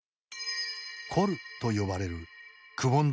コルと呼ばれるくぼんだ